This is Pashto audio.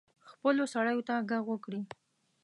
خپلو سړیو ته ږغ وکړي.